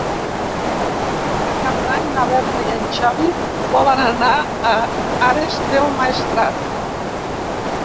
Per Cap d'Any na Berta i en Xavi volen anar a Ares del Maestrat.